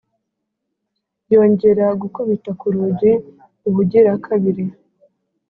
yongera gukubita ku rugi ubugira kabiri;